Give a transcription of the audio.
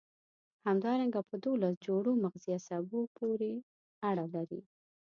همدارنګه په دوولس جوړو مغزي عصبو پورې اړه لري.